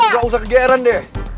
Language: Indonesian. gak usah kegeeran deh